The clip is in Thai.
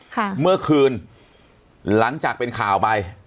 ค่ะเมื่อคืนหลังจากเป็นข่าวไป